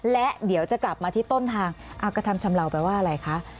และเดี๋ยวจะกลับมาที่ต้นทางกระทำชำเลาแปลว่าอะไรคะ